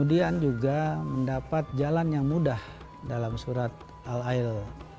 dan juga mendapat jalan yang mudah dalam surat al ail lima tujuh